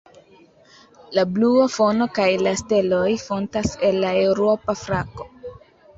La blua fono kaj la steloj fontas el la Eŭropa flago.